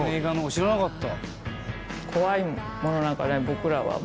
知らなかった。